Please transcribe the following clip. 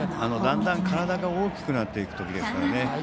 だんだん、体が大きくなっていくときですからね。